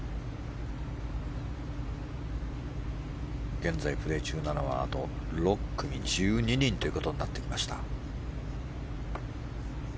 現在プレー中なのはあと６組１２人ということになってきました。